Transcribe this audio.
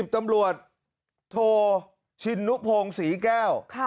ตำรวจโทชินนุพงศรีแก้ว